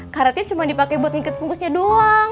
karetnya cuma dipake buat ngikut pungkusnya doang